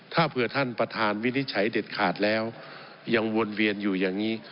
ถ้าเผื่อท่านประธานวินิจฉัยเด็ดขาดแล้วยังวนเวียนอยู่อย่างนี้